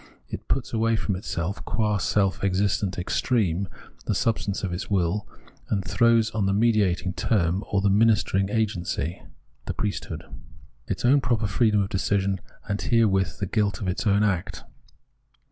It puts away from itself, qua self existent extreme, the substance of its will, and throws on to the mediating term, or the ministering agency,* its own proper freedom of decision, and here with the guilt of its own act.